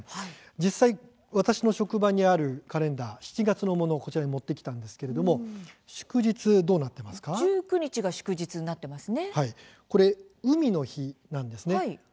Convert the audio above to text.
実際、私の職場にあるカレンダー７月のものをこちらに持ってきたんですけれども１９日がこれは海の日なんですね。